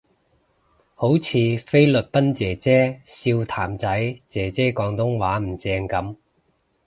好似菲律賓姐姐笑譚仔姐姐廣東話唔正噉